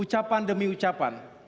ucapan demi ucapan